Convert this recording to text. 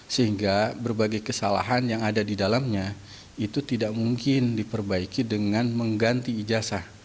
sehingga berbagai kesalahan yang ada di dalamnya itu tidak mungkin diperbaiki dengan mengganti ijazah